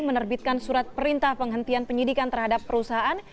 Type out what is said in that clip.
menerbitkan surat perintah penghentian penyidikan terhadap perusahaan